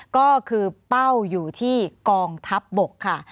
ก็คือเป้าอยู่ที่กองทัพบกค่ะ